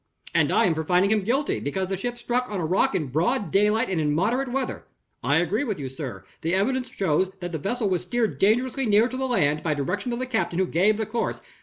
"And I am for finding him guilty, because the ship struck on a rock in broad daylight, and in moderate weather." "I agree with you, sir. The evidence shows that the vessel was steered dangerously near to the land, by direction of the captain, who gave the course."